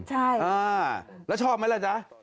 ใช่แล้วชอบไหมล่ะจ๊ะ